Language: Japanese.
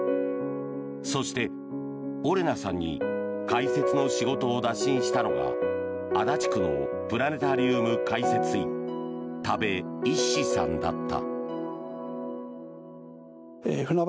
そして、オレナさんに解説の仕事を打診したのが足立区のプラネタリウム解説員田部一志さんだった。